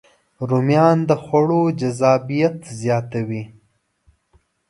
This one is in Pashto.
رومیان د خوړو جذابیت زیاتوي